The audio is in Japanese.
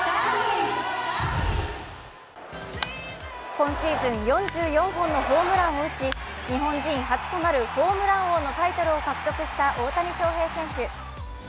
今シーズン４４本のホームランを打ち日本人初となるホームラン王のタイトルを獲得した大谷翔平選手。